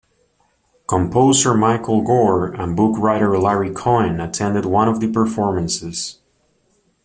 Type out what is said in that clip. Composer Michael Gore and book-writer Larry Cohen attended one of the performances.